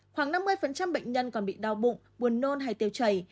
khoảng năm mươi bệnh nhân còn bị đau bụng buồn nôn hay tiêu chảy